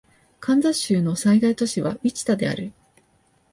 カンザス州の最大都市はウィチタである